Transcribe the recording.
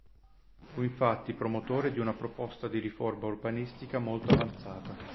Fu infatti promotore di una proposta di riforma urbanistica molto avanzata.